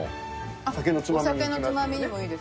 お酒のつまみにもいいですよね。